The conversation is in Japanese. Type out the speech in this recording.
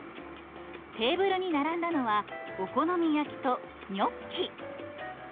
テーブルに並んだのはお好み焼きとニョッキ。